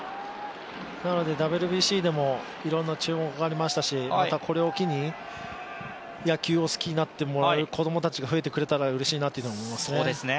ＷＢＣでもいろんな注目がありましたし、またこれを機に、野球を好きになってくれる子供たちが増えてくれたらうれしいなと思いますね。